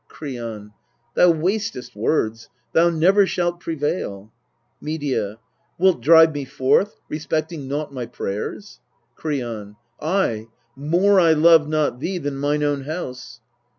Kreon. Thou wastest words ; thou never shalt prevail. Medea. Wilt drive me forth, respecting naught my prayers ? Kreon. Ay : more I love not thee than mine own house.